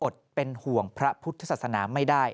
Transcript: อดเป็นห่วงพระพุทธศาสนาไม่ได้